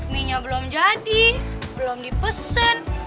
minyak belum jadi belum dipesen